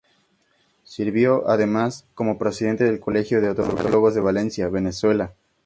Sirvió, además, como presidente del Colegio de Odontólogos de Valencia, Venezuela.